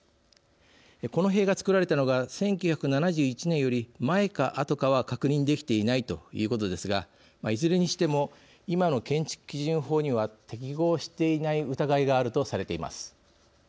この塀が作られたのが１９７１年より前かあとかは確認できていないということですがいずれにしても今の建築基準法には適合していない疑いがあるとされています。